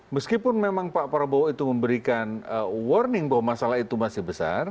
meskipun memang pak prabowo itu memberikan warning bahwa masalah itu masih besar